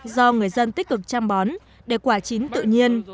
do người dân tích cực chăm bón để quả chín tự nhiên